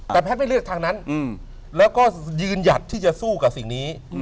แต่แพทย์ไม่เลือกทางนั้นแล้วก็ยืนหยัดที่จะสู้กับสิ่งนี้